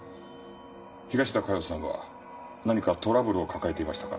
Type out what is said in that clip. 東田加代さんは何かトラブルを抱えていましたか？